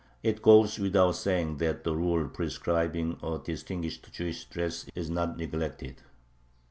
It goes without saying that the rule prescribing a distinguishing Jewish dress is not neglected.